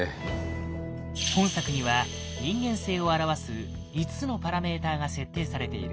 本作には人間性を表す５つのパラメーターが設定されている。